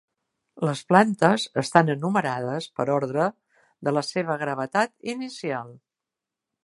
Les plantes estan enumerades per ordre de la seva gravetat inicial.